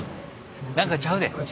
何かちゃうで。